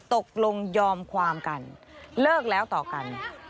ตกลงยอมความกันเลิกแล้วต่อกัน